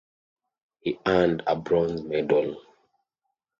He earned a bronze medal.